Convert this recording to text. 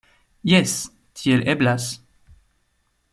Jes, tiel eblas.